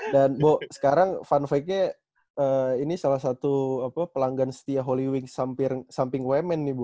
dan bo sekarang fun fact nya ini salah satu pelanggan setia holy wings samping women nih bo